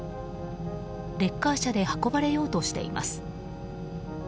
レッカー車で運ばれようとしています。